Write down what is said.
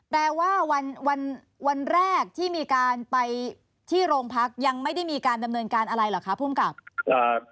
แปลว่าวันวันแรกที่มีการไปที่โรงพักยังไม่ได้มีการดำเนินการอะไรเหรอคะภูมิกับ